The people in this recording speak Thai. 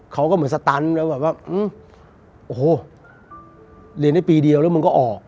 เขาก็เหมือนสตันแล้วแบบว่าโอ้โหเรียนได้ปีเดียวแล้วมันก็ออก